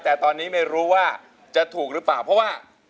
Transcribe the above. แต่ตอนนี้ไม่รู้ว่าจะถูกหรือเปล่าเพราะว่า